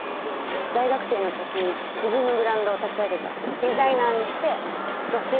大学生の時に自分のブランドを立ち上げたデザイナーにして女性起業家。